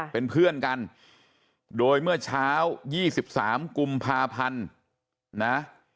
เป็นเพื่อนกันโดยเมื่อเช้า๒๓กุมภาพันธ์นะ